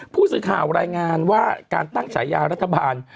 ผู้สื่อข่าวรายงานว่าการตั้งฉายารัฐบาล